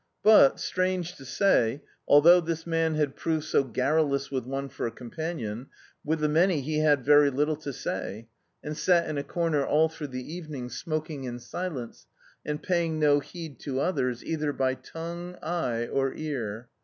But, strange to ' say, although this man had proved so garrulous with one for a companion, with the many he had very little to say, and sat in a comer all throu^ the eve ning smoking in silence, and paying no heed to others either by tongue, eye, or ear.